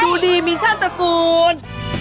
ดูดิมิชชั่นตระกูล